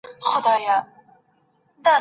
واده داسي ژوند دی، چي په دواړو پر مخ وړل کيږي.